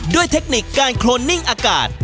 ด้วยเทคนิคกาโครนงิ่งอากาศ